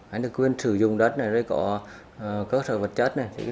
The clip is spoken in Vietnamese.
anh được quyền sử dụng đất này rồi có cơ sở vật chất này